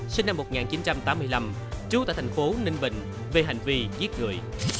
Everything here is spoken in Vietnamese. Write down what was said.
sinh năm một nghìn chín trăm tám mươi năm trú tại thành phố ninh bình về hành vi giết người